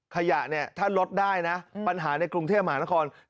ขยะถ้ารสได้นะปัญหาในกรุงเทพฯอาหารงานฮาราคอน